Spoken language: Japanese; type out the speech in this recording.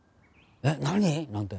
「えっ？」なんて。